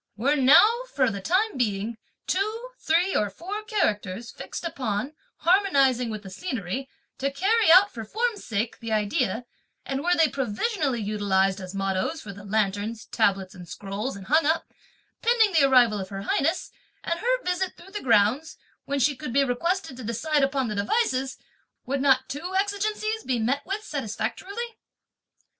Were now, for the time being, two, three or four characters fixed upon, harmonising with the scenery, to carry out, for form's sake, the idea, and were they provisionally utilised as mottoes for the lanterns, tablets and scrolls, and hung up, pending the arrival of her highness, and her visit through the grounds, when she could be requested to decide upon the devices, would not two exigencies be met with satisfactorily?"